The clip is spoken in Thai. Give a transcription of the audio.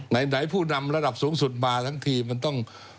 ไหนผู้นำระดับสูงสุดมาทั้งทีมันต้อง